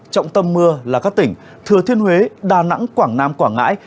trọng tâm mưa là các tỉnh thừa thiên huế đà nẵng quảng nam quảng ngãi